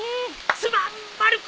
すまんまる子。